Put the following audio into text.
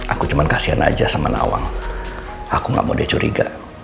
aku cuma kasihan aja sama nawang aku gak mau dia curiga